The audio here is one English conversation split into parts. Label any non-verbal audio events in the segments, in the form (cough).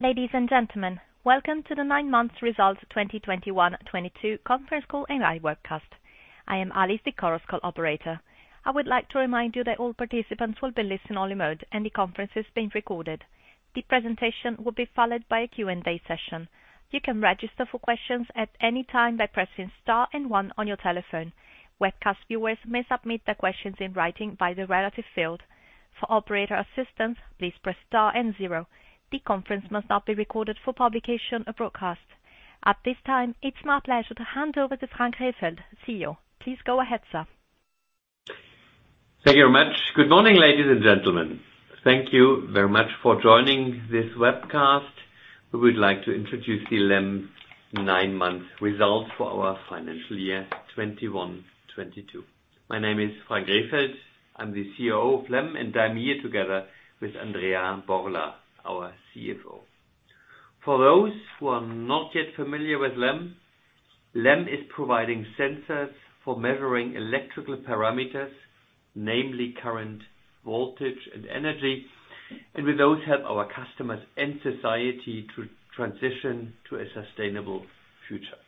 Ladies and gentlemen, welcome to the nine months results 2021/ 2022 conference call and live webcast. I am Alice, the conference call operator. I would like to remind you that all participants will be in listen-only mode, and the conference is being recorded. The presentation will be followed by a Q&A session. You can register for questions at any time by pressing star and one on your telephone. Webcast viewers may submit their questions in writing by the relevant field. For operator assistance, please press star and zero. The conference must not be recorded for publication or broadcast. At this time, it's my pleasure to hand over to Frank Rehfeld, CEO. Please go ahead, sir. Thank you very much. Good morning, ladies and gentlemen. Thank you very much for joining this webcast. We would like to introduce the LEM nine-month results for our financial year 2021/2022. My name is Frank Rehfeld. I'm the CEO of LEM, and I'm here together with Andrea Borla, our CFO. For those who are not yet familiar with LEM is providing sensors for measuring electrical parameters, namely current, voltage, and energy, and with those, help our customers and society to transition to a sustainable future.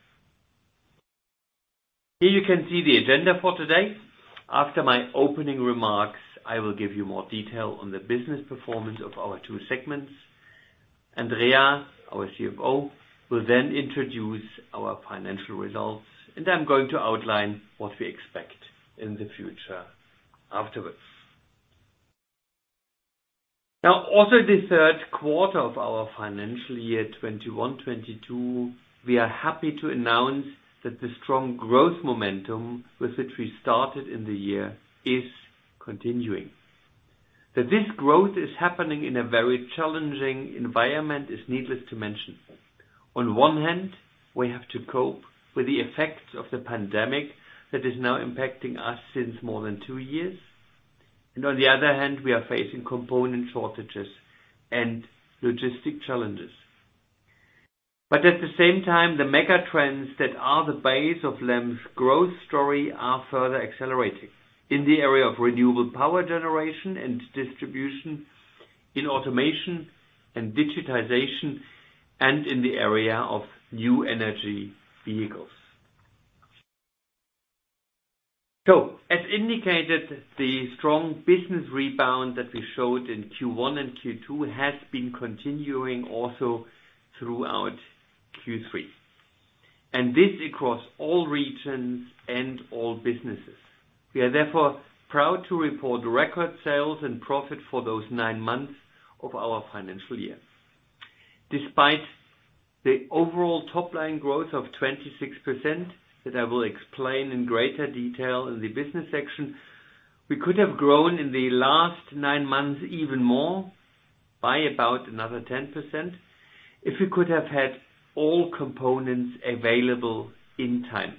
Here you can see the agenda for today. After my opening remarks, I will give you more detail on the business performance of our two segments. Andrea, our CFO, will then introduce our financial results, and I'm going to outline what we expect in the future afterwards. Now, also the third quarter of our financial year, 2021/2022, we are happy to announce that the strong growth momentum with which we started in the year is continuing. That this growth is happening in a very challenging environment is needless to mention. On one hand, we have to cope with the effects of the pandemic that is now impacting us since more than two years. On the other hand, we are facing component shortages and logistics challenges. At the same time, the mega trends that are the base of LEM's growth story are further accelerating in the area of renewable power generation and distribution, in automation and digitization, and in the area of new energy vehicles. As indicated, the strong business rebound that we showed in Q1 and Q2 has been continuing also throughout Q3. This across all regions and all businesses. We are therefore proud to report record sales and profit for those nine months of our financial year. Despite the overall top line growth of 26%, that I will explain in greater detail in the business section, we could have grown in the last nine months even more by about another 10%, if we could have had all components available in time.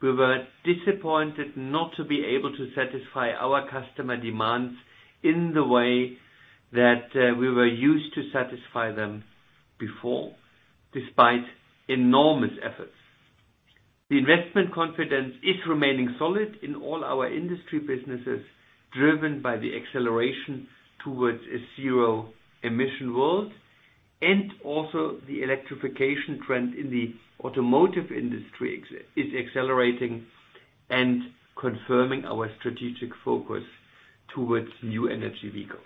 We were disappointed not to be able to satisfy our customer demands in the way that we were used to satisfy them before, despite enormous efforts. The investment confidence is remaining solid in all our industry businesses, driven by the acceleration towards a zero emission world. The electrification trend in the automotive industry is accelerating and confirming our strategic focus towards new energy vehicles.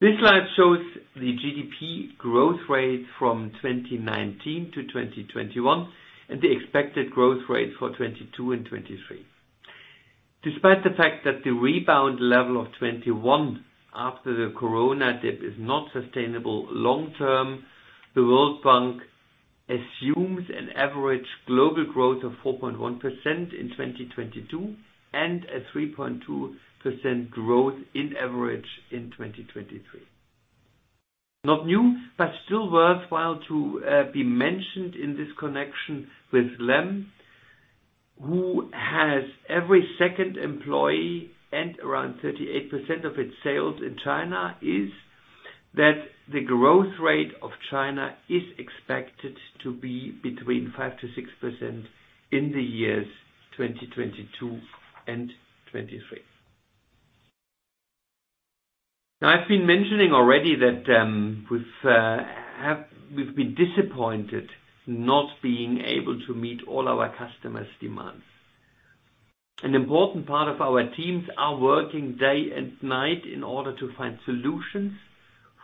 This slide shows the GDP growth rate from 2019 to 2021, and the expected growth rate for 2022 and 2023. Despite the fact that the rebound level of 2021 after the corona dip is not sustainable long term, the World Bank assumes an average global growth of 4.1% in 2022, and a 3.2% growth in average in 2023. Not new, but still worthwhile to be mentioned in this connection with LEM, who has every second employee and around 38% of its sales in China, is that the growth rate of China is expected to be between 5%-6% in the years 2022 and 2023. Now, I've been mentioning already that we've been disappointed not being able to meet all our customers' demands. An important part of our teams are working day and night in order to find solutions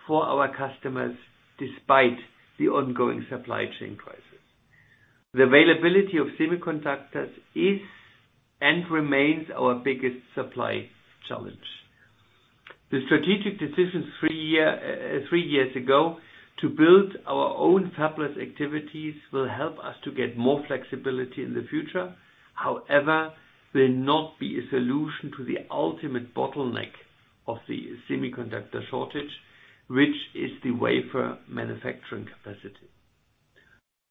for our customers despite the ongoing supply chain crisis. The availability of semiconductors is and remains our biggest supply challenge. The strategic decisions three years ago to build our own fabless activities will help us to get more flexibility in the future. However, will not be a solution to the ultimate bottleneck of the semiconductor shortage, which is the wafer manufacturing capacity.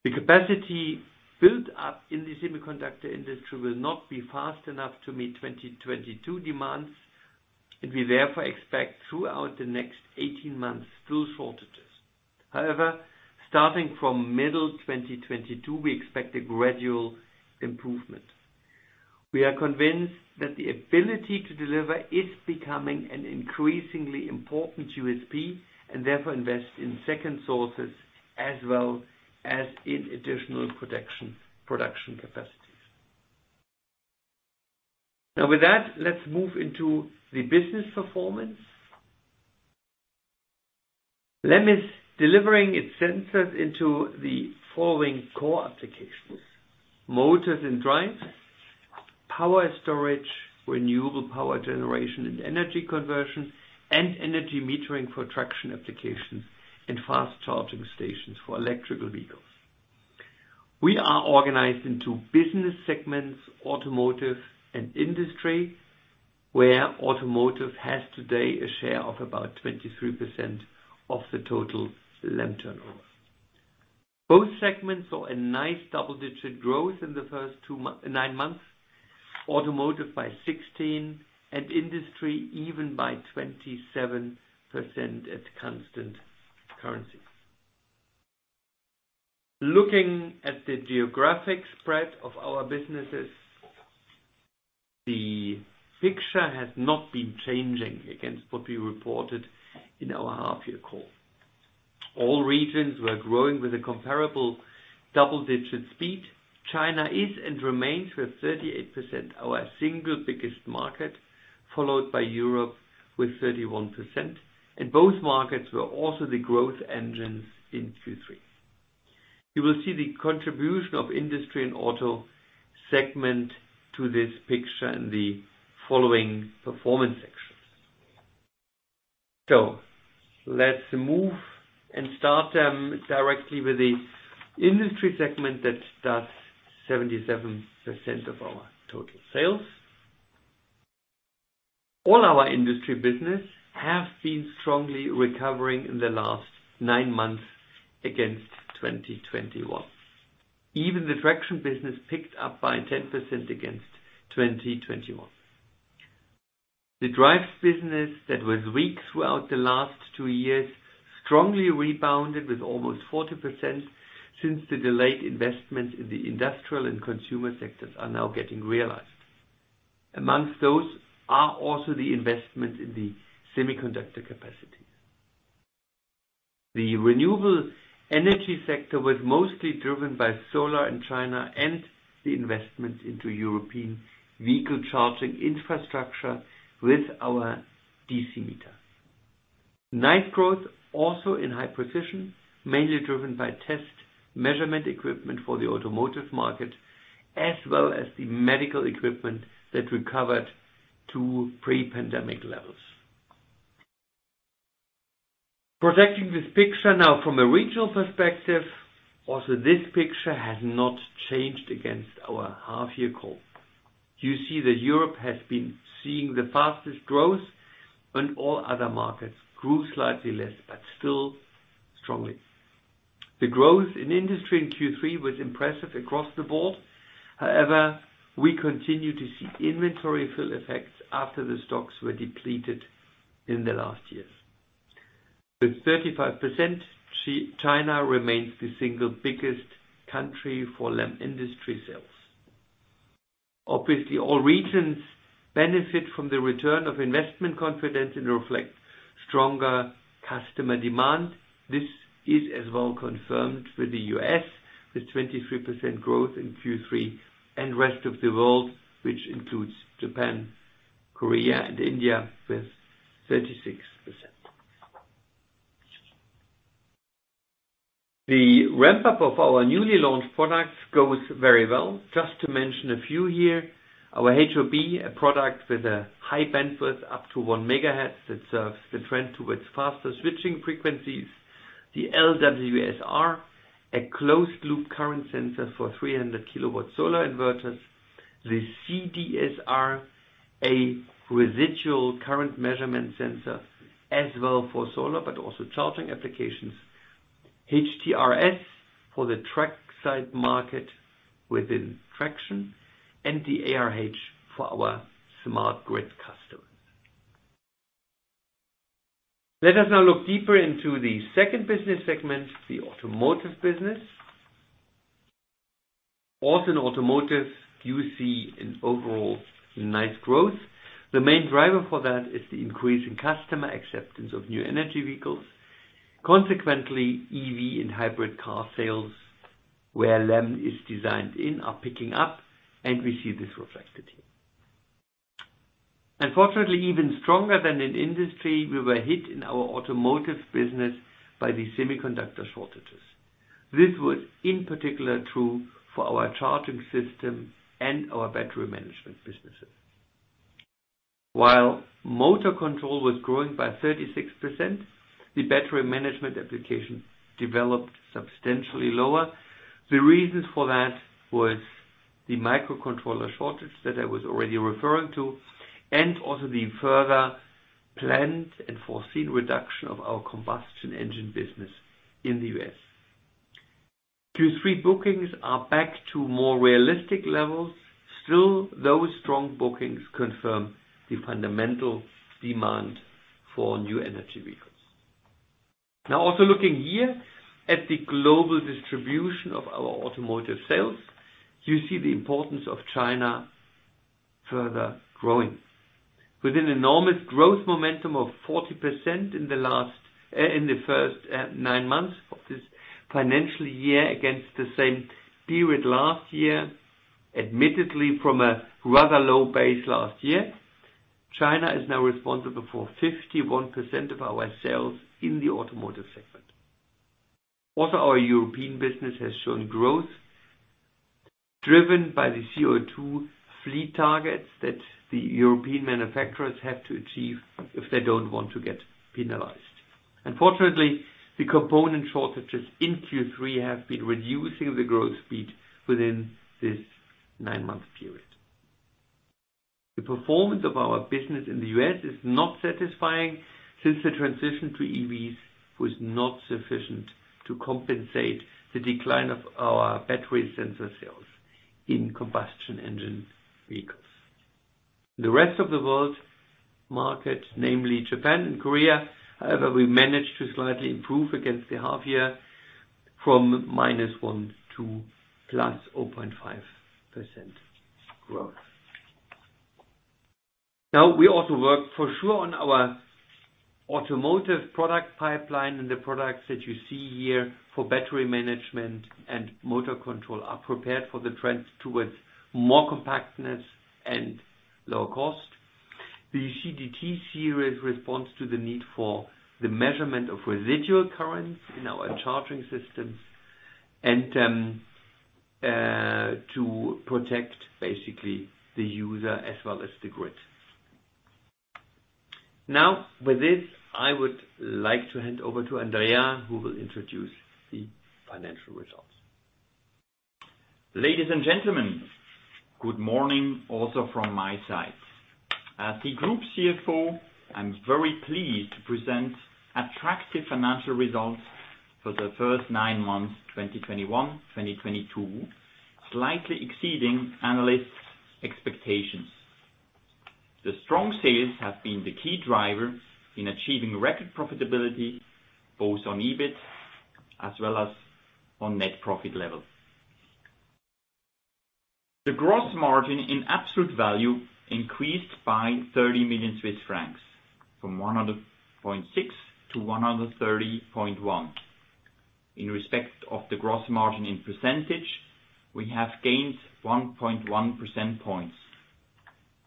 The capacity built up in the semiconductor industry will not be fast enough to meet 2022 demands, and we therefore expect throughout the next 18 months still shortages. However, starting from middle 2022, we expect a gradual improvement. We are convinced that the ability to deliver is becoming an increasingly important USP and therefore invest in second sources as well as in additional production capacities. Now with that, let's move into the business performance. LEM is delivering its sensors into the following core applications: motors and drives, power storage, renewable power generation and energy conversion, and energy metering for traction applications and fast charging stations for electric vehicles. We are organized into business segments, automotive and industry, where automotive has today a share of about 23% of the total LEM turnover. Both segments saw a nice double-digit growth in the first nine months. Automotive by 16% and industry even by 27% at constant currency. Looking at the geographic spread of our businesses, the picture has not been changing against what we reported in our half-year call. All regions were growing with a comparable double-digit speed. China is and remains with 38% our single biggest market, followed by Europe with 31%. Both markets were also the growth engines in Q3. You will see the contribution of industry and auto segment to this picture in the following performance section. Let's move and start directly with the industry segment that does 77% of our total sales. All our industry business have been strongly recovering in the last nine months against 2021. Even the traction business picked up by 10% against 2021. The drive business that was weak throughout the last two years strongly rebounded with almost 40% since the delayed investments in the industrial and consumer sectors are now getting realized. Amongst those are also the investment in the semiconductor capacities. The renewable energy sector was mostly driven by solar in China and the investments into European vehicle charging infrastructure with our DC meter. Nice growth also in high precision, mainly driven by test measurement equipment for the automotive market, as well as the medical equipment that recovered to pre-pandemic levels. Projecting this picture now from a regional perspective, this picture has not changed against our half-year call. You see that Europe has been seeing the fastest growth and all other markets grew slightly less, but still strongly. The growth in industry in Q3 was impressive across the board. However, we continue to see inventory fill effects after the stocks were depleted in the last years. With 35%, China remains the single biggest country for LEM industry sales. Obviously, all regions benefit from the return of investment confidence and reflect stronger customer demand. This is as well confirmed with the U.S., with 23% growth in Q3 and rest of the world, which includes Japan, Korea and India with 36%. The ramp-up of our newly launched products goes very well. Just to mention a few here. Our HOB, a product with a high bandwidth up to 1 MHz that serves the trend towards faster switching frequencies. The LWSR, a closed loop current sensor for 300 kW solar inverters. The CDSR, a residual current measurement sensor as well for solar but also charging applications. HTRS for the track side market within traction and the ARH for our smart grid customers. Let us now look deeper into the second business segment, the automotive business. Also, in automotive, you see an overall nice growth. The main driver for that is the increase in customer acceptance of new energy vehicles. Consequently, EV and hybrid car sales where LEM is designed in are picking up, and we see this reflected here. Unfortunately, even stronger than in industry, we were hit in our automotive business by the semiconductor shortages. This was in particular true for our charging system and our battery management businesses. While motor control was growing by 36%, the battery management application developed substantially lower. The reasons for that was the microcontroller shortage that I was already referring to, and also the further planned and foreseen reduction of our combustion engine business in the U.S. Q3 bookings are back to more realistic levels. Still, those strong bookings confirm the fundamental demand for new energy vehicles. Now also looking here at the global distribution of our automotive sales, you see the importance of China further growing. With an enormous growth momentum of 40% in the first nine months of this financial year against the same period last year, admittedly from a rather low base last year. China is now responsible for 51% of our sales in the automotive segment. Also, our European business has shown growth driven by the CO2 fleet targets that the European manufacturers have to achieve if they don't want to get penalized. Unfortunately, the component shortages in Q3 have been reducing the growth speed within this nine-month period. The performance of our business in the U.S. is not satisfying since the transition to EVs was not sufficient to compensate the decline of our battery sensor sales in combustion engine vehicles. The rest of the world market, namely Japan and Korea, however, we managed to slightly improve against the half year from -1% to +0.5% growth. Now, we also work for sure on our automotive product pipeline, and the products that you see here for battery management and motor control are prepared for the trends towards more compactness and lower cost. The CDT series responds to the need for the measurement of residual currents in our charging systems and to protect basically the user as well as the grid. Now, with this, I would like to hand over to Andrea, who will introduce the financial results. Ladies and gentlemen, good morning also from my side. As the group CFO, I'm very pleased to present attractive financial results for the first nine months, 2021/2022, slightly exceeding analysts' expectations. The strong sales have been the key driver in achieving record profitability, both on EBIT as well as on net profit levels. The gross margin in absolute value increased by 30 million Swiss francs from 100.6 to 130.1. In respect of the gross margin in percentage, we have gained 1.1 percentage points.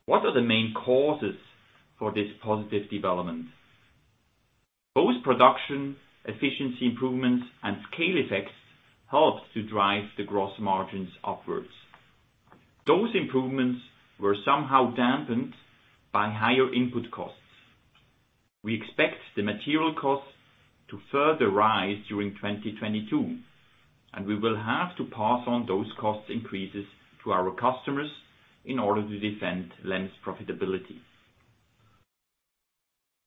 What are the main causes for this positive development? Both production efficiency improvements and scale effects helped to drive the gross margins upwards. Those improvements were somehow dampened by higher input costs. We expect the material costs to further rise during 2022, and we will have to pass on those cost increases to our customers in order to defend LEM's profitability.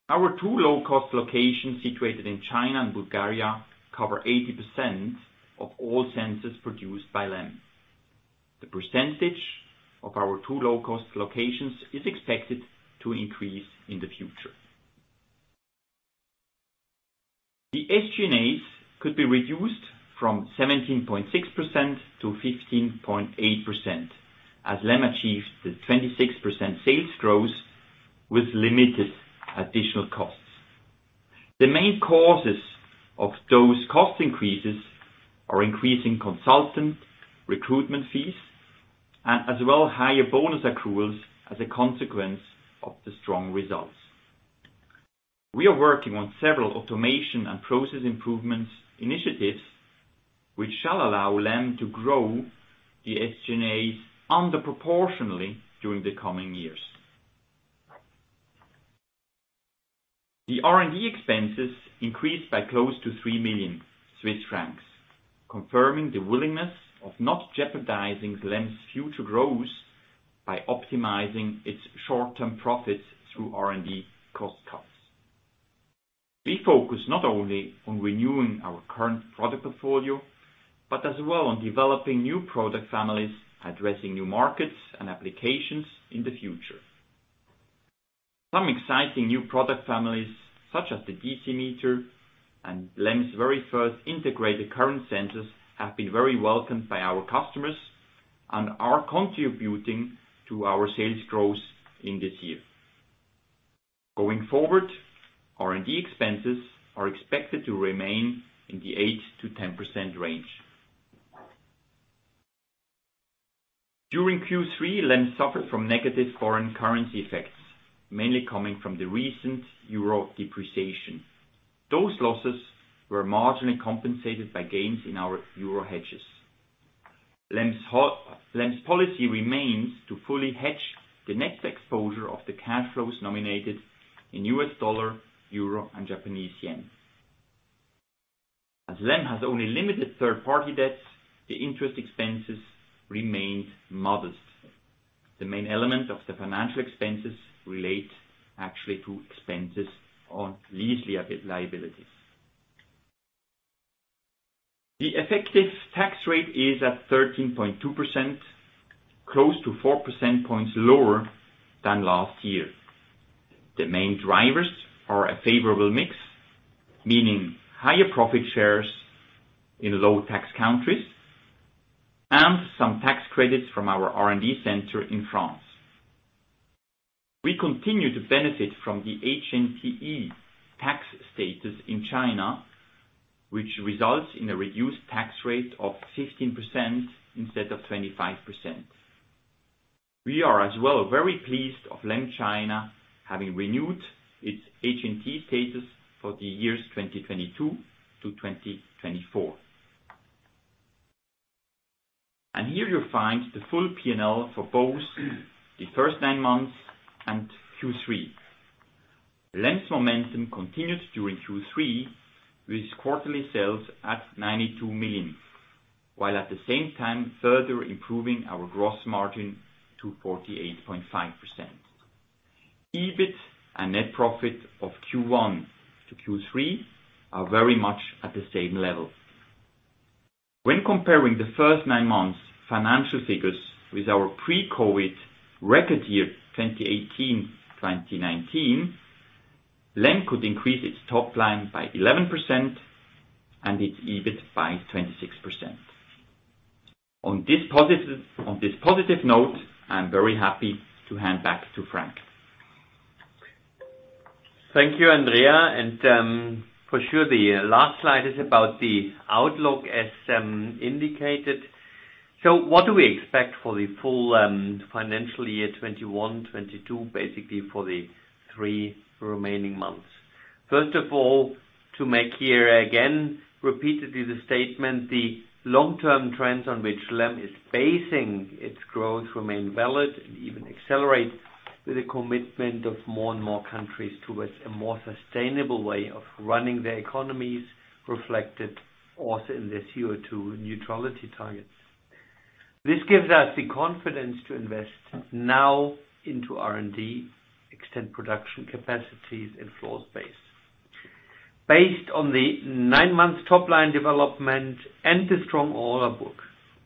Our two low cost locations situated in China and Bulgaria cover 80% of all sensors produced by LEM. The percentage of our two low cost locations is expected to increase in the future. The SG&As could be reduced from 17.6%-15.8% as LEM achieved the 26% sales growth with limited additional costs. The main causes of those cost increases are increasing consultant recruitment fees and as well higher bonus accruals as a consequence of the strong results. We are working on several automation and process improvements initiatives, which shall allow LEM to grow the SG&As underproportionally during the coming years. The R&D expenses increased by close to 3 million Swiss francs, confirming the willingness of not jeopardizing LEM's future growth by optimizing its short-term profits through R&D cost cuts. We focus not only on renewing our current product portfolio, but as well on developing new product families, addressing new markets and applications in the future. Some exciting new product families, such as the DC meter and LEM's very first integrated current sensors, have been very welcomed by our customers and are contributing to our sales growth in this year. Going forward, R&D expenses are expected to remain in the 8%-10% range. During Q3, LEM suffered from negative foreign currency effects, mainly coming from the recent Euro depreciation. Those losses were marginally compensated by gains in our Euro hedges. LEM's policy remains to fully hedge the net exposure of the cash flows nominated in U.S. dollar, Euro, and Japanese yen. As LEM has only limited third party debts, the interest expenses remained modest. The main element of the financial expenses relate actually to expenses on lease liabilities. The effective tax rate is at 13.2%, close to 4 percentage points lower than last year. The main drivers are a favorable mix, meaning higher profit shares in low tax countries and some tax credits from our R&D center in France. We continue to benefit from the HNTE tax status in China, which results in a reduced tax rate of 16% instead of 25%. We are as well very pleased of LEM China having renewed its HNTE status for the years 2022 to 2024. Here you'll find the full P&L for both the first nine months and Q3. LEM's momentum continued during Q3 with quarterly sales at 92 million, while at the same time further improving our gross margin to 48.5%. EBIT and net profit of Q1 to Q3 are very much at the same level. When comparing the first nine months financial figures with our pre-COVID record year, 2018, 2019, LEM could increase its top line by 11% and its EBIT by 26%. On this positive note, I'm very happy to hand back to Frank. Thank you, Andrea. For sure, the last slide is about the outlook as indicated. What do we expect for the full financial year 2021/2022, basically for the three remaining months? First of all, to make here again repeatedly the statement, the long-term trends on which LEM is basing its growth remain valid and even accelerate with the commitment of more and more countries towards a more sustainable way of running their economies, reflected also in the CO2 neutrality targets. This gives us the confidence to invest now into R&D, extend production capacities and floor space. Based on the nine months top line development and the strong order book,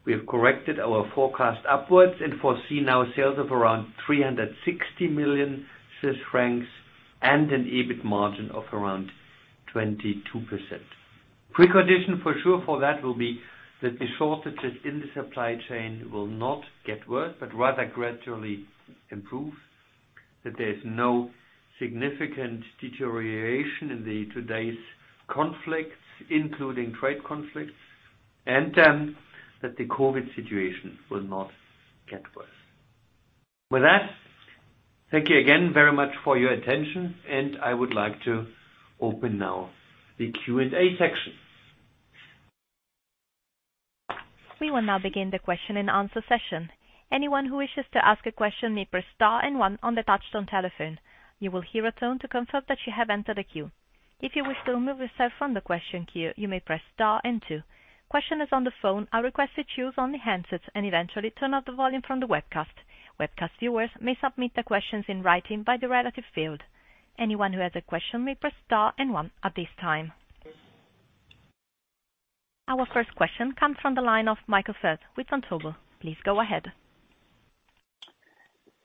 we have corrected our forecast upwards and foresee now sales of around 360 million Swiss francs and an EBIT margin of around 22%. Precondition for sure for that will be that the shortages in the supply chain will not get worse, but rather gradually improve. That there is no significant deterioration in today's conflicts, including trade conflicts. That the COVID situation will not get worse. With that, thank you again very much for your attention, and I would like to open now the Q&A section. We will now begin the question and answer session. Anyone who wishes to ask a question may press star and one on the touchtone telephone. You will hear a tone to confirm that you have entered a queue. If you wish to remove yourself from the question queue, you may press star and two. Questioners on the phone are requested to use only handsets and eventually turn off the volume from the webcast. Webcast viewers may submit their questions in writing by the relevant field. Anyone who has a question may press star and one at this time. Our first question comes from the line of Michael Foeth with Stifel. Please go ahead.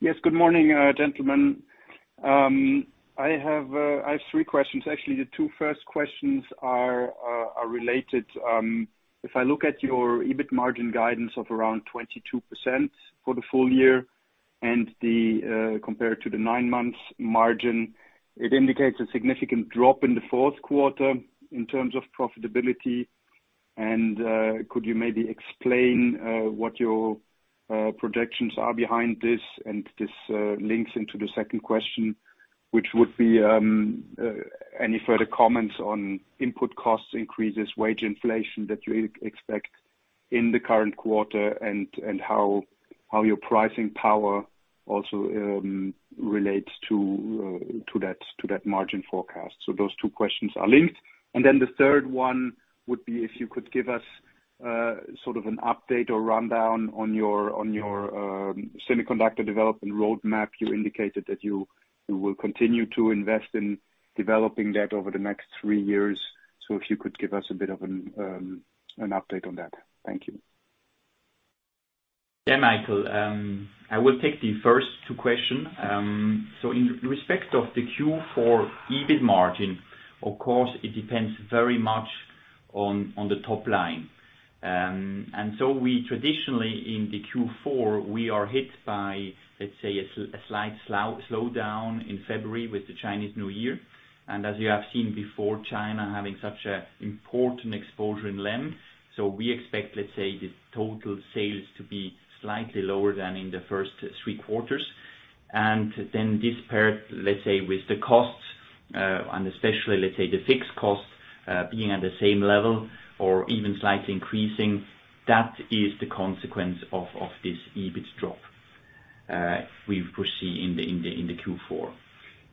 Yes, good morning, gentlemen. I have three questions. Actually, the two first questions are related. If I look at your EBIT margin guidance of around 22% for the full year and compared to the nine months margin, it indicates a significant drop in the fourth quarter in terms of profitability. Could you maybe explain what your projections are behind this? This links into the second question, which would be any further comments on input costs increases, wage inflation that you expect in the current quarter and how your pricing power also relates to that margin forecast. Those two questions are linked. The third one would be if you could give us sort of an update or rundown on your semiconductor development roadmap. You indicated that you will continue to invest in developing that over the next three years. If you could give us a bit of an update on that. Thank you. Yeah, Michael, I will take the first two questions. In respect of the Q4 EBIT margin, of course, it depends very much on the top line. We traditionally in the Q4 are hit by a slight slowdown in February with the Chinese New Year. As you have seen before, China having such an important exposure in LEM. We expect the total sales to be slightly lower than in the first three quarters. Then this paired with the costs, and especially the fixed costs, being at the same level or even slightly increasing, that is the consequence of this EBIT drop we foresee in the Q4.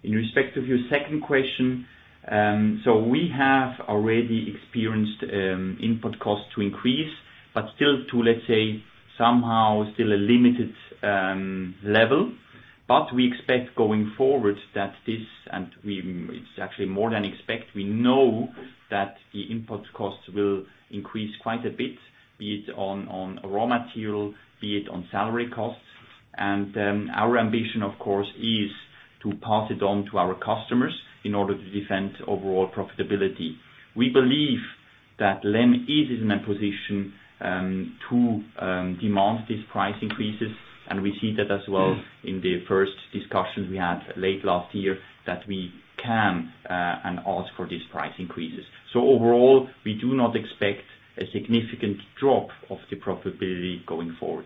In respect of your second question, we have already experienced input costs to increase, but still to, let's say, somehow still a limited level. We expect going forward that it's actually more than expect. We know that the input costs will increase quite a bit, be it on raw material, be it on salary costs. Our ambition, of course, is to pass it on to our customers in order to defend overall profitability. We believe that LEM is in a position to demand these price increases, and we see that as well in the first discussions we had late last year, that we can and ask for these price increases. Overall, we do not expect a significant drop of the profitability going forward.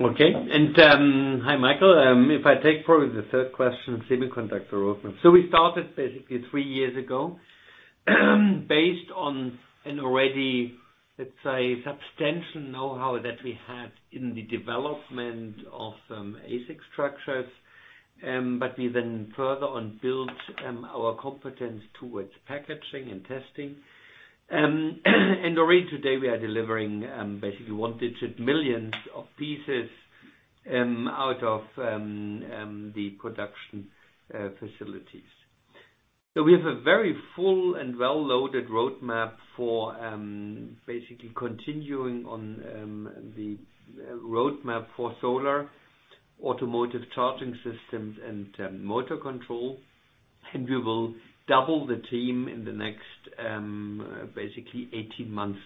Okay. Hi, Michael. If I take probably the third question, semiconductor roadmap. We started basically three years ago, based on an already, let's say, substantial know-how that we had in the development of some ASIC structures. We then further on built our competence towards packaging and testing. Already today we are delivering basically one-digit millions of pieces out of the production facilities. We have a very full and well-loaded roadmap for basically continuing on the roadmap for solar, automotive charging systems and motor control. We will double the team in the next basically 18 months.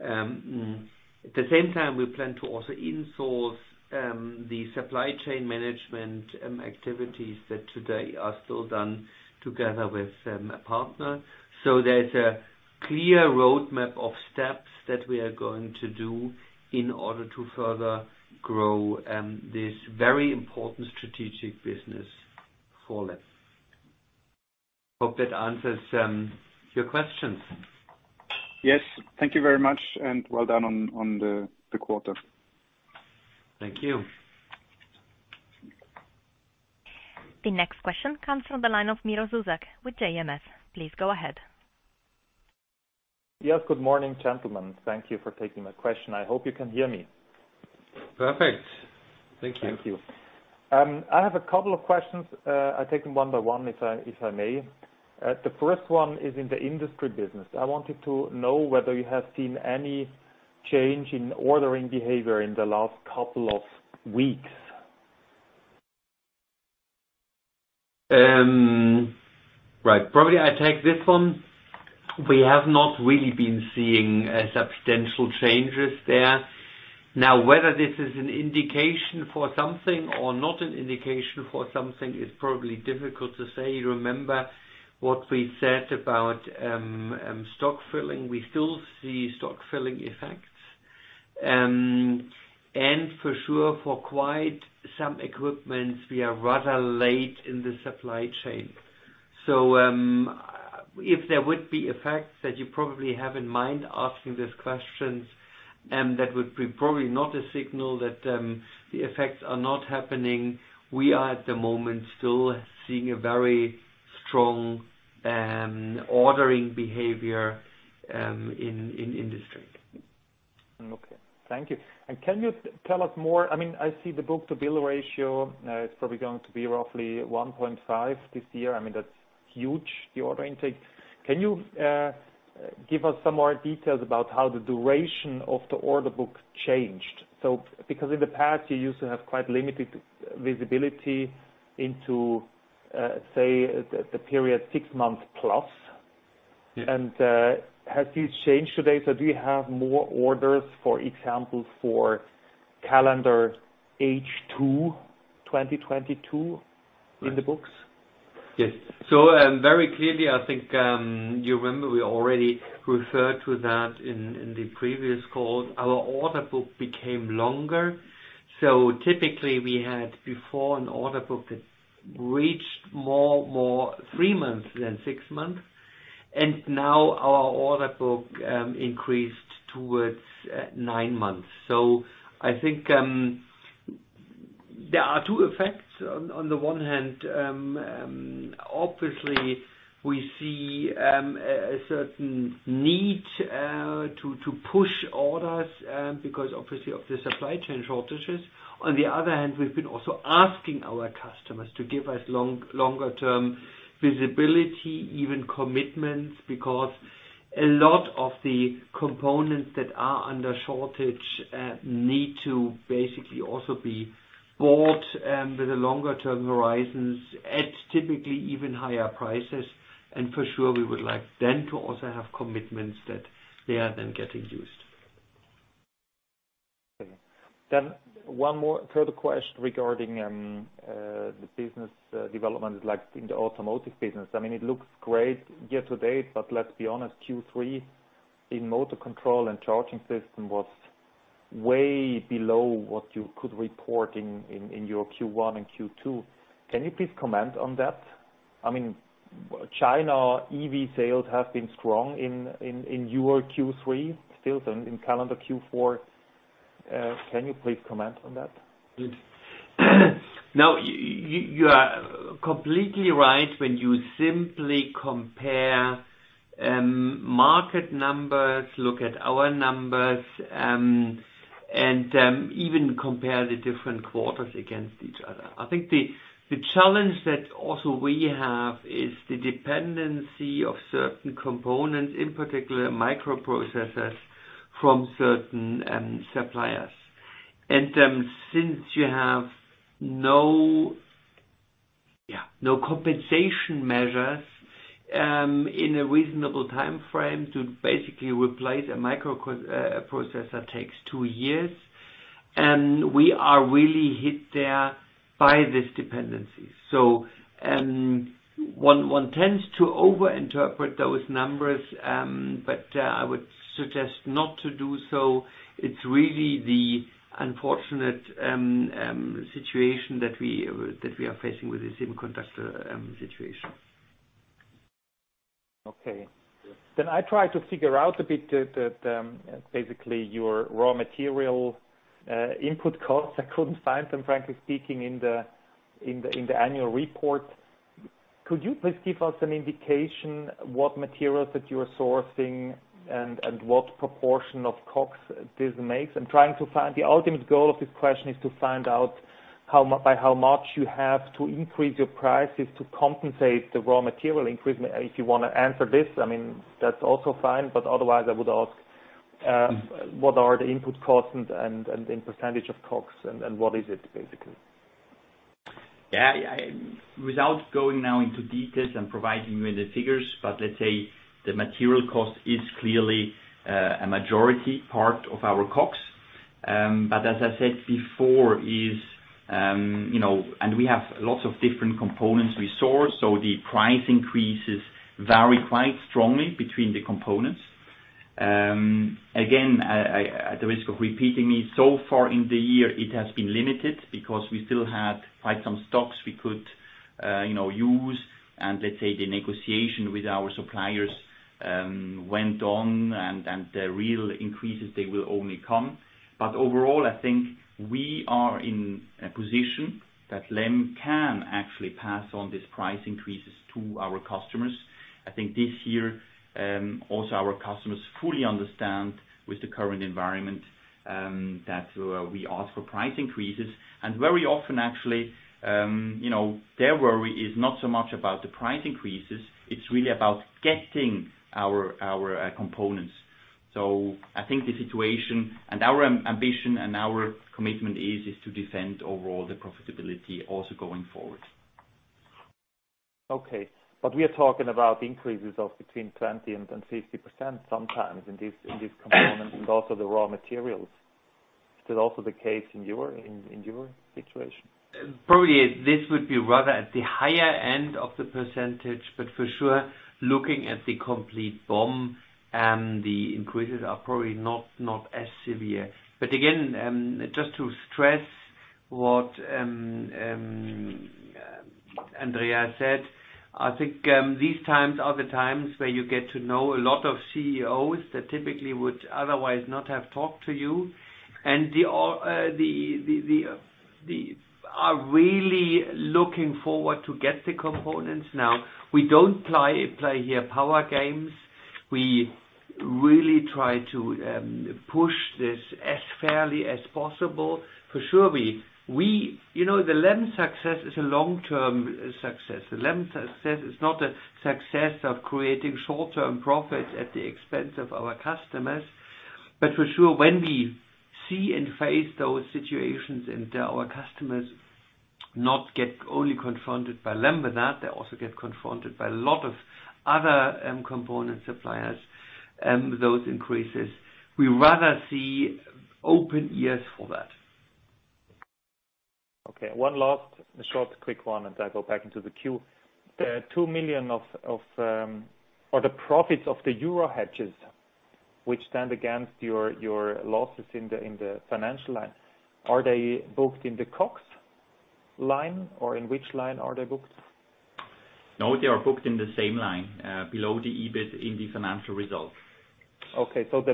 At the same time, we plan to also in-source the supply chain management activities that today are still done together with a partner. There's a clear roadmap of steps that we are going to do in order to further grow this very important strategic business for LEM. Hope that answers your questions. Yes. Thank you very much and well done on the quarter. Thank you. The next question comes from the line of Miro Zuzak with JMS. Please go ahead. Yes. Good morning, gentlemen. Thank you for taking my question. I hope you can hear me. Perfect. Thank you. Thank you. I have a couple of questions. I take them one by one, if I may. The first one is in the industry business. I wanted to know whether you have seen any change in ordering behavior in the last couple of weeks. Right. Probably I take this one. We have not really been seeing substantial changes there. Now, whether this is an indication for something or not an indication for something is probably difficult to say. Remember what we said about stock filling. We still see stock filling effects. And for sure, for quite some equipment, we are rather late in the supply chain. So, if there would be effects that you probably have in mind asking these questions, that would be probably not a signal that the effects are not happening. We are at the moment still seeing a very strong ordering behavior in industry. Okay. Thank you. Can you tell us more? I mean, I see the book-to-bill ratio is probably going to be roughly 1.5 this year. I mean, that's huge, the order intake. Can you give us some more details about how the duration of the order book changed? Because in the past, you used to have quite limited visibility into, say, the period 6+ months. Yes. Has this changed today? Do you have more orders, for example, for calendar H2 2022 in the books? Yes. Very clearly, I think, you remember we already referred to that in the previous call. Our order book became longer. Typically, we had before an order book that reached more three months than six months. Now our order book increased towards nine months. I think there are two effects. On the one hand, obviously we see a certain need to push orders because obviously of the supply chain shortages. On the other hand, we've been also asking our customers to give us longer term visibility, even commitments, because a lot of the components that are under shortage need to basically also be bought with the longer term horizons at typically even higher prices. For sure, we would like them to also have commitments that they are then getting used. Okay. One more further question regarding the business development, like in the automotive business. I mean, it looks great year to date, but let's be honest, Q3 in motor control and charging system was way below what you could report in your Q1 and Q2. Can you please comment on that? I mean, China EV sales have been strong in your Q3, still in calendar Q4. Can you please comment on that? Sure. Now, you are completely right when you simply compare market numbers, look at our numbers, and even compare the different quarters against each other. I think the challenge that also we have is the dependency of certain components, in particular microprocessors from certain suppliers. Since you have no compensation measures in a reasonable timeframe to basically replace a processor takes two years, and we are really hit there by this dependency. One tends to overinterpret those numbers, but I would suggest not to do so. It's really the unfortunate situation that we are facing with the semiconductor situation. Okay. I try to figure out a bit, basically your raw material input costs. I couldn't find them, frankly speaking in the annual report. Could you please give us an indication what materials that you are sourcing and what proportion of COGS this makes? I'm trying to find. The ultimate goal of this question is to find out by how much you have to increase your prices to compensate the raw material increase. If you wanna answer this, I mean that's also fine, but otherwise I would ask what are the input costs and in percentage of COGS and what is it basically? Yeah. Without going now into details and providing you with the figures, but let's say the material cost is clearly a majority part of our COGS. We have lots of different components we source, so the price increases vary quite strongly between the components. Again, at the risk of repeating me, so far in the year it has been limited because we still had quite some stocks we could, you know, use. Let's say the negotiation with our suppliers went on and the real increases, they will only come. Overall, I think we are in a position that LEM can actually pass on these price increases to our customers. I think this year also our customers fully understand with the current environment that we ask for price increases. Very often actually, you know, their worry is not so much about the price increases, it's really about getting our components. I think the situation and our ambition, and our commitment is to defend overall the profitability also going forward. We are talking about increases of between 20% and 50% sometimes in these components and also the raw materials. Is that also the case in your situation? Probably this would be rather at the higher end of the percentage, but for sure, looking at the complete BOM, the increases are probably not as severe. Again, just to stress what Andreas said, I think these times are the times where you get to know a lot of CEOs that typically would otherwise not have talked to you. They are really looking forward to get the components. Now, we don't play here power games. We really try to push this as fairly as possible. For sure. You know, the LEM success is a long-term success. The LEM success is not a success of creating short-term profits at the expense of our customers. For sure, when we see and face those situations and, our customers not only get confronted by LEM, but that they also get confronted by a lot of other, component suppliers, those increases, we rather see open ears for that. Okay. One last short quick one and I go back into the queue. The 2 million of or the profits of the euro hedges which stand against your losses in the financial line. Are they booked in the COGS line or in which line are they booked? No, they are booked in the same line, below the EBIT in the financial results. Okay. The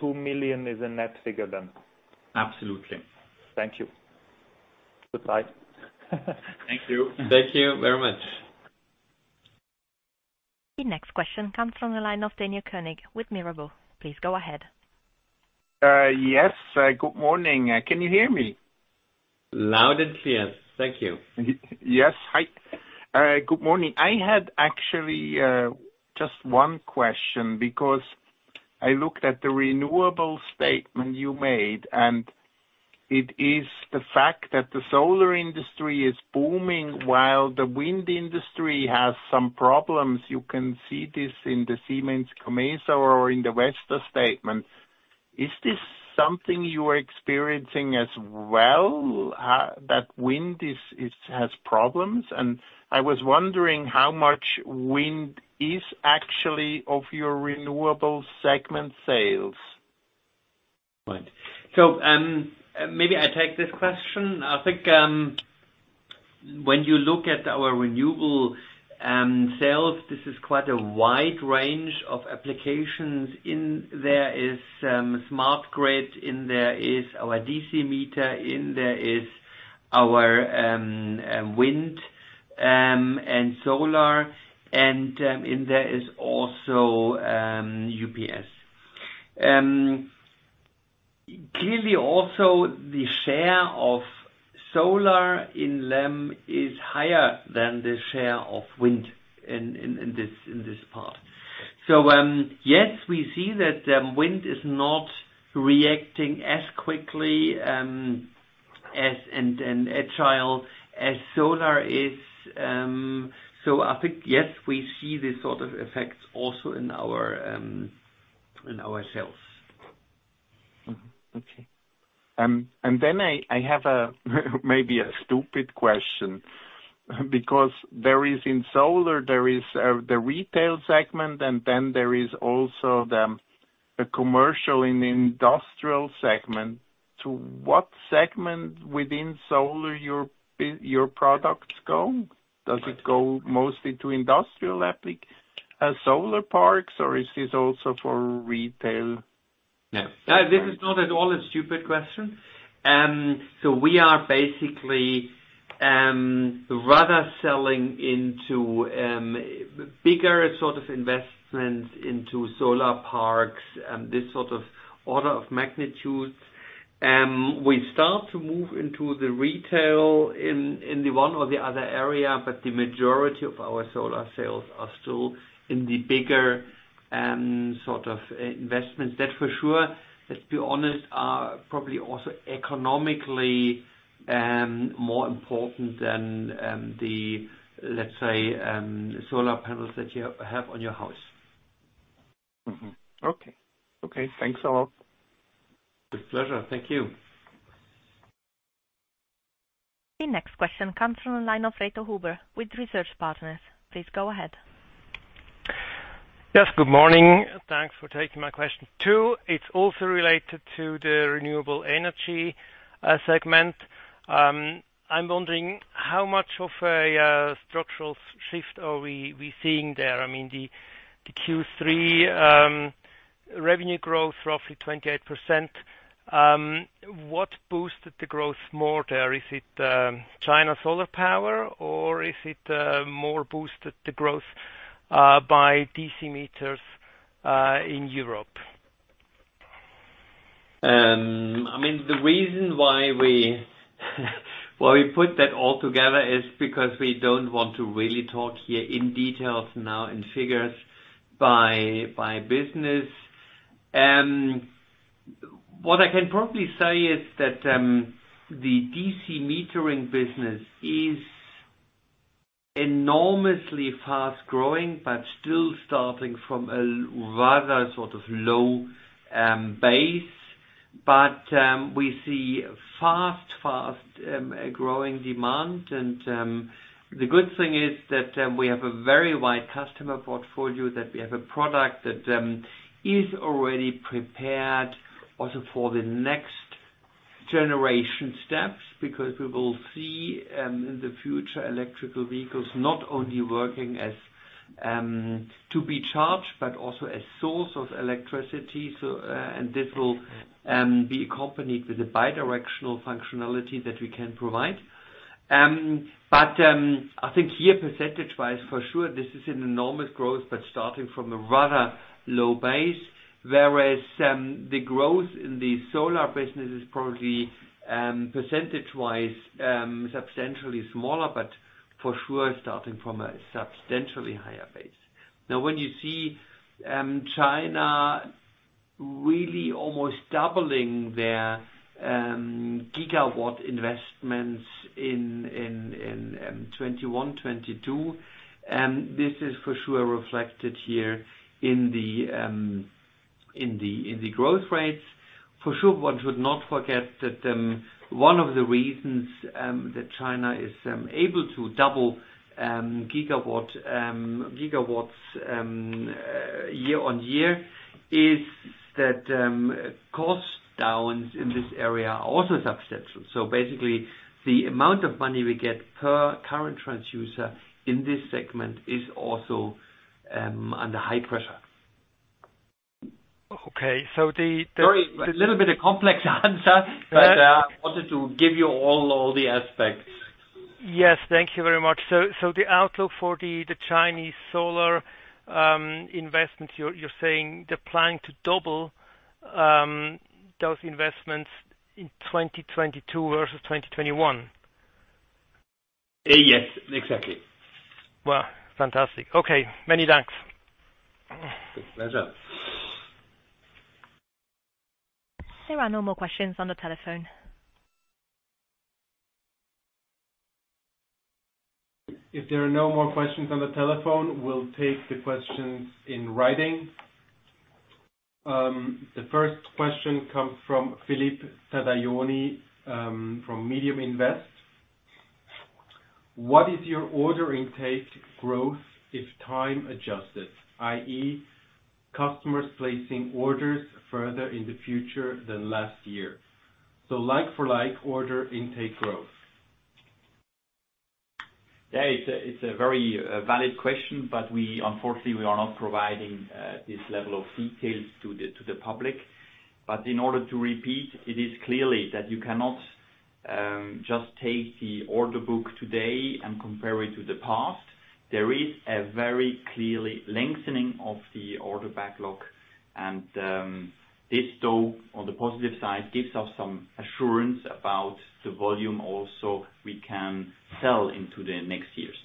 -2 million is a net figure then? Absolutely. Thank you. Goodbye. Thank you. Thank you very much. The next question comes from the line of Daniel König with Mirabaud. Please go ahead. Yes. Good morning. Can you hear me? Loud and clear. Thank you. Yes. Hi. Good morning. I had actually just one question because I looked at the renewable statement you made, and it is the fact that the solar industry is booming while the wind industry has some problems. You can see this in the Siemens Gamesa or in the Vestas statement. Is this something you are experiencing as well, that wind has problems? I was wondering how much wind is actually of your renewable segment sales. Right. Maybe I take this question. I think, When you look at our renewable sales, this is quite a wide range of applications. In there is smart grid, in there is our DC meter, in there is our wind and solar, and in there is also UPS. Clearly, also the share of solar in LEM is higher than the share of wind in this part. Yes, we see that wind is not reacting as quickly and agile as solar is. I think, yes, we see these sort of effects also in our sales. I have maybe a stupid question. Because there is in solar the retail segment, and then there is also the commercial and industrial segment. To what segment within solar your products go? Does it go mostly to industrial solar parks, or is this also for retail? Yeah. This is not at all a stupid question. We are basically, rather selling into bigger sort of investments into solar parks and this sort of order of magnitude. We start to move into the retail in the one or the other area, but the majority of our solar sales are still in the bigger sort of investments. That for sure, let's be honest, are probably also economically more important than the, let's say, solar panels that you have on your house. Okay. Okay, thanks a lot. With pleasure. Thank you. The next question comes from the line of Reto Huber with Research Partners. Please go ahead. Yes, good morning. Thanks for taking my question, too. It's also related to the renewable energy segment. I'm wondering how much of a structural shift are we seeing there? I mean, the Q3 revenue growth, roughly 28%, what boosted the growth more there? Is it China solar power, or is it more boosted the growth by DC meters in Europe? I mean, the reason why we put that all together is because we don't want to really talk here in details now, in figures by business. What I can probably say is that the DC metering business is enormously fast-growing, but still starting from a rather sort of low base. We see fast growing demand. The good thing is that we have a very wide customer portfolio, that we have a product that is already prepared also for the next generation steps. We will see in the future electric vehicles not only working as to be charged, but also as source of electricity. This will be accompanied with a bidirectional functionality that we can provide. I think here, percentage-wise, for sure this is an enormous growth, but starting from a rather low base. Whereas, the growth in the solar business is probably, percentage-wise, substantially smaller, but for sure, starting from a substantially higher base. Now, when you see, China really almost doubling their, gigawatt investments in 2021, 2022, this is for sure reflected here in the growth rates. For sure, one should not forget that, one of the reasons, that China is, able to double gigawatts year-on-year, is that, cost downs in this area are also substantial. So basically, the amount of money we get per current transducer in this segment is also, under high pressure. Okay, the- Sorry, a little bit of complex answer but I wanted to give you all the aspects. Yes, thank you very much. The outlook for the Chinese solar investments, you're saying they're planning to double those investments in 2022 versus 2021? Yes, exactly. Wow. Fantastic. Okay, many thanks. With pleasure. There are no more questions on the telephone. If there are no more questions on the telephone, we'll take the questions in writing. The first question comes from Philippe Tadayon from Medium Invest. What is your order intake growth if time-adjusted, i.e. Customers placing orders further in the future than last year. Like for like order intake growth. Yeah, it's a very valid question, but we unfortunately are not providing this level of details to the public. In order to repeat, it is clearly that you cannot just take the order book today and compare it to the past. There is a very clearly lengthening of the order backlog and this though, on the positive side, gives us some assurance about the volume also we can sell into the next years.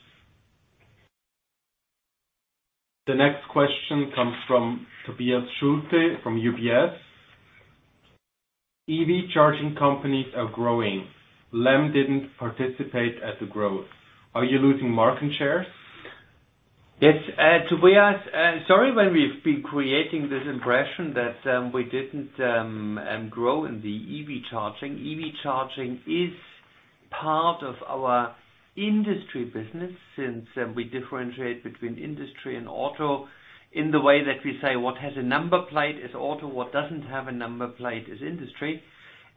The next question comes from Tobias Schulte from UBS. EV charging companies are growing. LEM didn't participate at the growth. Are you losing market shares? Yes. Tobias, sorry, when we've been creating this impression that we didn't grow in the EV charging. EV charging is part of our industry business since we differentiate between industry and auto in the way that we say what has a number plate is auto, what doesn't have a number plate is industry.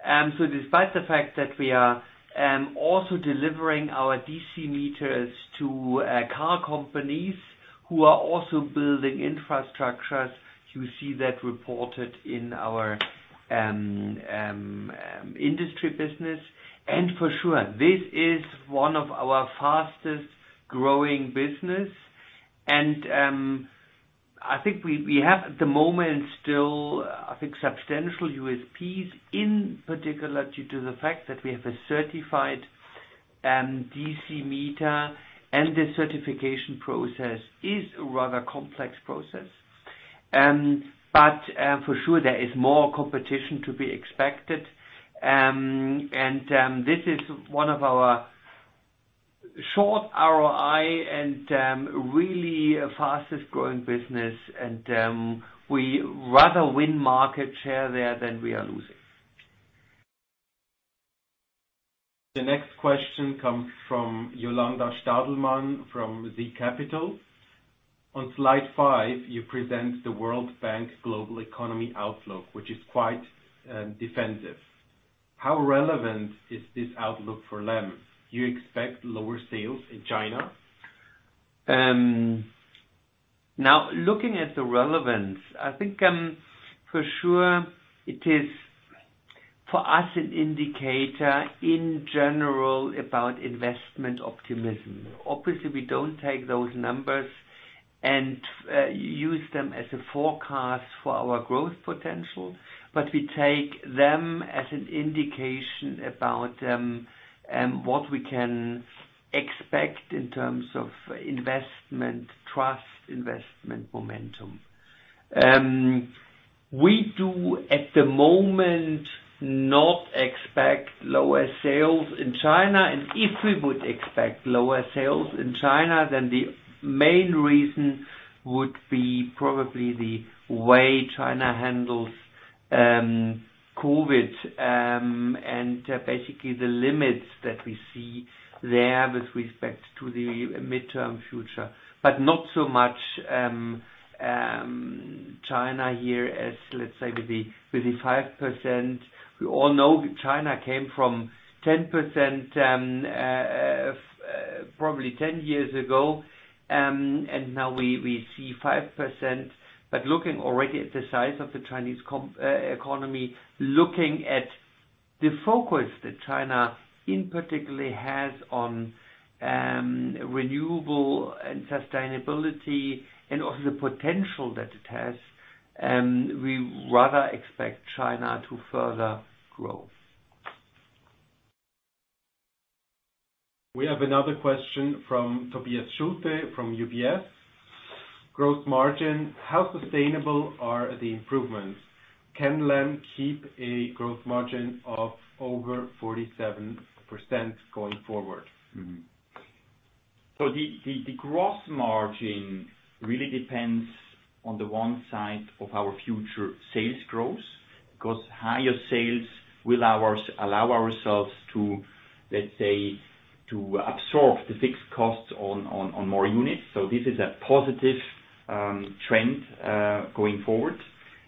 So despite the fact that we are also delivering our DC meters to car companies who are also building infrastructures, you see that reported in our industry business. For sure, this is one of our fastest growing business. I think we have at the moment still substantial USPs, in particular due to the fact that we have a certified DC meter, and the certification process is a rather complex process. For sure there is more competition to be expected. This is one of our short ROI and really fastest growing business and we rather win market share there than we are losing. The next question comes from Jolanda Stadelmann from zCapital. On slide five, you present the World Bank's global economy outlook, which is quite defensive. How relevant is this outlook for LEM? Do you expect lower sales in China? Now looking at the relevance, I think, for sure it is for us an indicator in general about investment optimism. Obviously, we don't take those numbers and use them as a forecast for our growth potential, but we take them as an indication about what we can expect in terms of investment trust, investment momentum. We do at the moment not expect lower sales in China, and if we would expect lower sales in China, then the main reason would be probably the way China handles COVID and basically the limits that we see there with respect to the midterm future. But not so much China here as, let's say with the 5%. We all know China came from 10% probably 10 years ago, and now we see 5%. Looking already at the size of the Chinese economy, looking at the focus that China in particular has on renewable and sustainability and also the potential that it has, we rather expect China to further grow. We have another question from Tobias Schulte from UBS. Gross margin, how sustainable are the improvements? Can LEM keep a gross margin of over 47% going forward? The gross margin really depends on the one side of our future sales growth, 'cause higher sales will allow ourselves to, let's say, to absorb the fixed costs on more units. This is a positive trend going forward.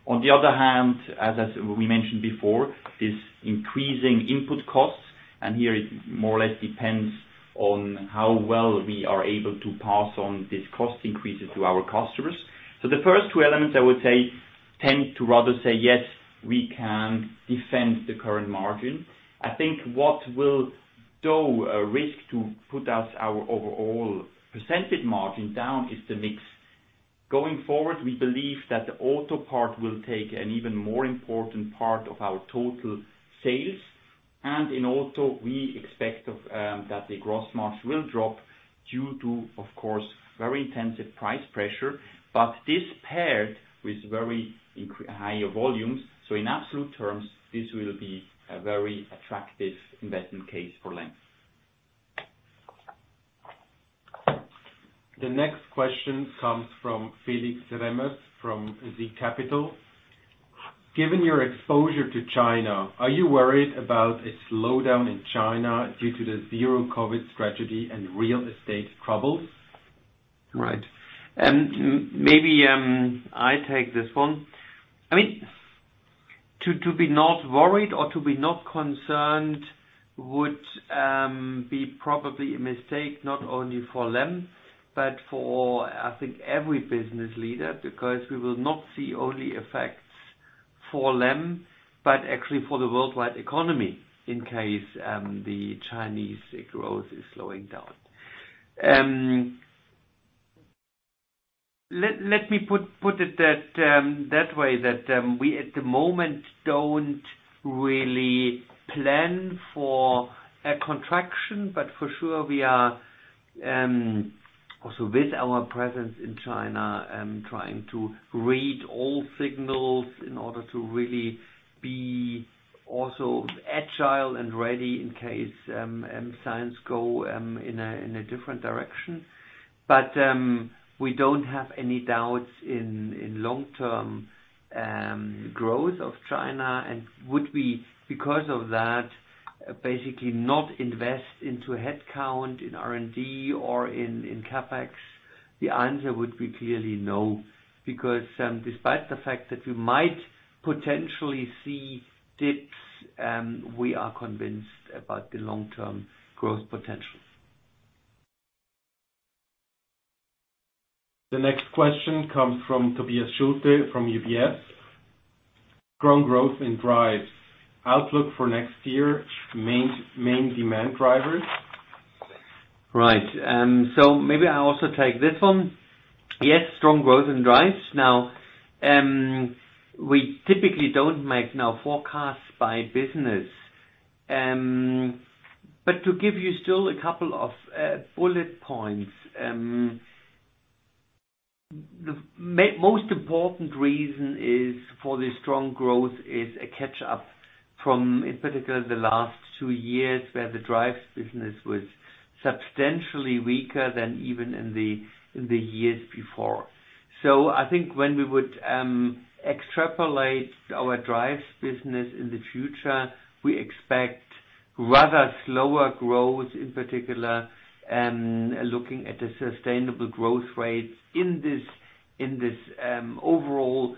On the other hand, as we mentioned before, this increasing input costs, and here it more or less depends on how well we are able to pass on these cost increases to our customers. The first two elements, I would say, tend to rather say, "Yes, we can defend the current margin." I think what will though risk to put our overall percentage margin down is the mix. Going forward, we believe that the auto part will take an even more important part of our total sales. In auto, we expect that the gross margin will drop due to, of course, very intensive price pressure. This paired with higher volumes. In absolute terms, this will be a very attractive investment case for LEM. The next question comes from Felix Remers from zCapital. Given your exposure to China, are you worried about a slowdown in China due to the zero COVID strategy and real estate troubles? Right. Maybe I take this one. I mean, to be not worried or to be not concerned would be probably a mistake, not only for LEM, but for, I think, every business leader. Because we will not see only effects for LEM, but actually for the worldwide economy in case the Chinese growth is slowing down. Let me put it that way that we at the moment don't really plan for a contraction, but for sure we are also with our presence in China trying to read all signals in order to really be also agile and ready in case signs go in a different direction. We don't have any doubts in long-term growth of China. Would we, because of that, basically not invest into headcount in R&D or in CapEx? The answer would be clearly no. Because, despite the fact that we might potentially see dips, we are convinced about the long-term growth potential. The next question comes from Tobias Schulte from UBS. Strong growth in drives. Outlook for next year, main demand drivers. Right. Maybe I also take this one. Yes, strong growth in drives. Now, we typically don't make no forecasts by business. To give you still a couple of bullet points, the most important reason for the strong growth is a catch-up from, in particular, the last two years, where the drives business was substantially weaker than even in the years before. I think when we would extrapolate our drives business in the future, we expect rather slower growth, in particular, looking at the sustainable growth rates in this overall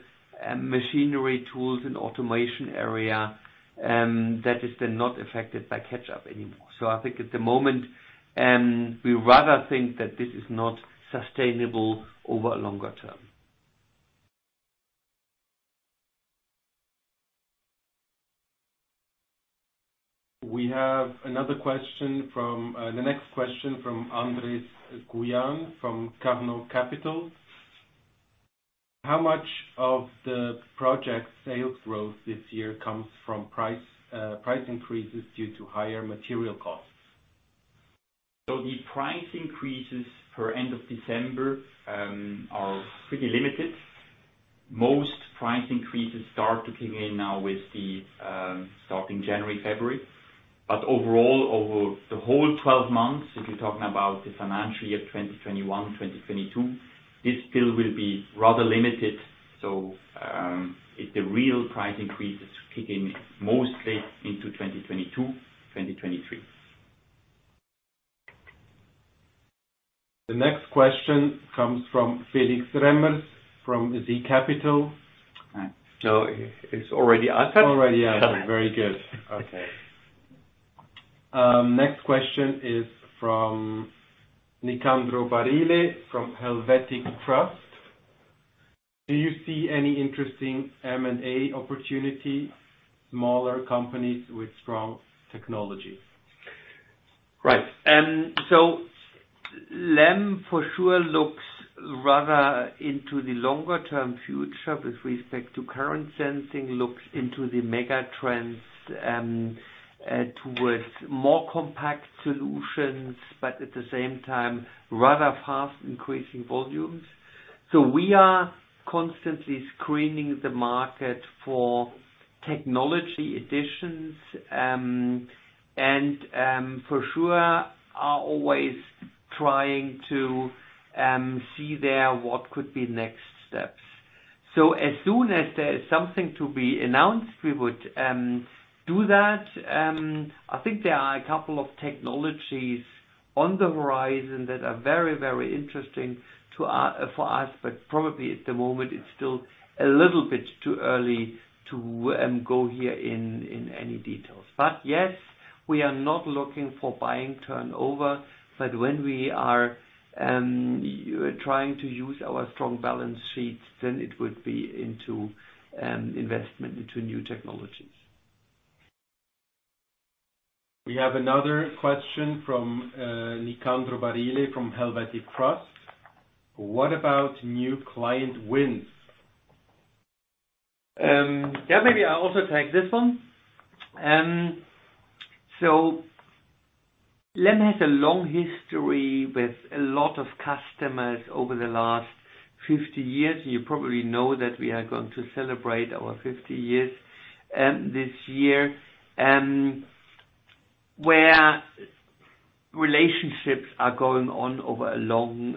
machine tools and automation area, that is then not affected by catch-up anymore. I think at the moment, we rather think that this is not sustainable over longer term. We have the next question from Andreas. (inaudible) How much of the projected sales growth this year comes from price increases due to higher material costs? The price increases for end of December are pretty limited. Most price increases start to kick in now with the starting January, February. Overall, over the whole 12 months, if you're talking about the financial year 2021/2022, this still will be rather limited. If the real price increases kick in mostly into 2022/2023. The next question comes from Felix Remmers, from zCapital AG. It's already answered? It's already answered. Very good. Okay. Next question is from Nicandro Barile from Helvetic Trust. Do you see any interesting M&A opportunity, smaller companies with strong technologies? Right. LEM for sure looks rather into the longer-term future with respect to current sensing, looks into the megatrends towards more compact solutions, but at the same time, rather fast-increasing volumes. We are constantly screening the market for technology additions, and for sure are always trying to see there what could be next steps. As soon as there is something to be announced, we would do that. I think there are a couple of technologies on the horizon that are very, very interesting for us, but probably at the moment it's still a little bit too early to go into any details. Yes, we are not looking for buying turnover, but when we are trying to use our strong balance sheets, then it would be into investment into new technologies. We have another question from Nicandro Barile from Helvetic Trust. What about new client wins? Yeah, maybe I also take this one. LEM has a long history with a lot of customers over the last 50 years. You probably know that we are going to celebrate our 50 years this year. Relationships are going on over a long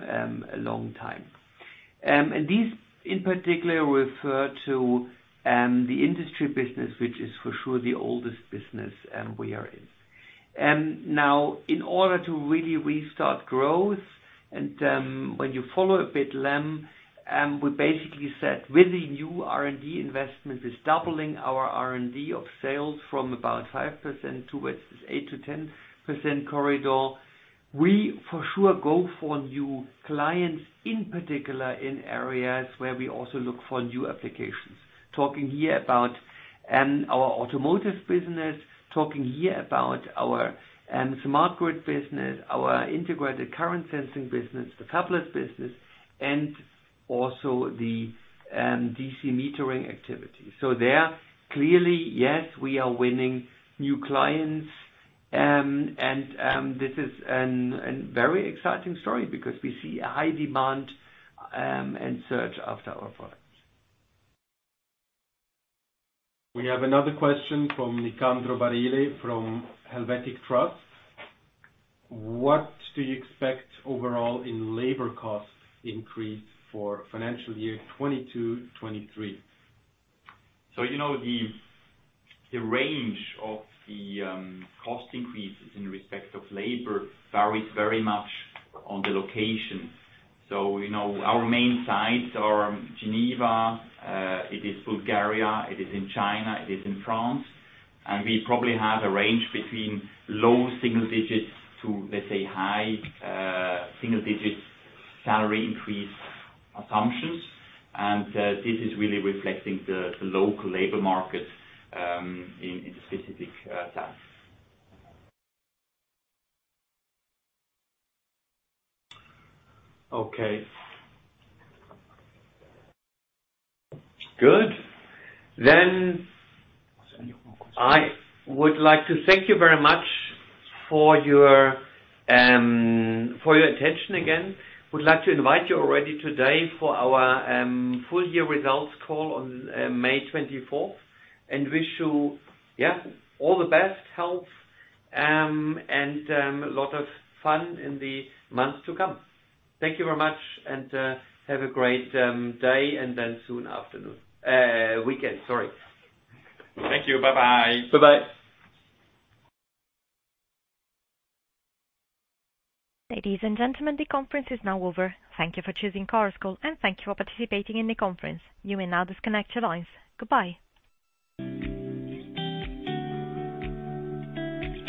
time. These in particular refer to the industry business, which is for sure the oldest business we are in. Now in order to really restart growth and when you follow a bit LEM, we basically said with the new R&D investment is doubling our R&D of sales from about 5% towards this 8%-10% corridor. We for sure go for new clients, in particular, in areas where we also look for new applications. Talking here about our automotive business, our smart grid business, our integrated current sensing business, the coils business, and also the DC metering activity. There clearly, yes, we are winning new clients, and this is a very exciting story because we see a high demand and sought after our products. We have another question from Nicandro Barile from Helvetic Trust. What do you expect overall in labor costs increase for financial year 2022/2023? You know, the range of the cost increases in respect of labor varies very much on the location. You know, our main sites are in Geneva, Bulgaria, China, and France. We probably have a range between low single digits to, let's say, high single digits salary increase assumptions. This is really reflecting the local labor market in the specific. Okay. Good. I would like to thank you very much for your attention again. Would like to invite you already today for our full year results call on May twenty-fourth. Wish you, yeah, all the best health and a lot of fun in the months to come. Thank you very much and have a great weekend, sorry. Thank you. Bye-bye. Bye-bye. Ladies and gentlemen, the conference is now over. Thank you for choosing Chorus Call, and thank you for participating in the conference. You may now disconnect your lines. Goodbye.